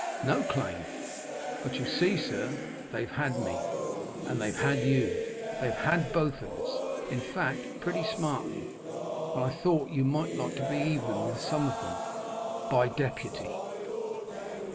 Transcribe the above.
"No claim; but you see, sir, they've had me, and they've had you. They've had both of us, in fact, pretty smartly. And I thought that you might like to be even with some of them, by deputy."